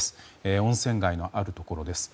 温泉街のあるところです。